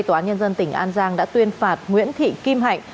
tòa án nhân dân tỉnh an giang đã tuyên phạt nguyễn thị kim hạnh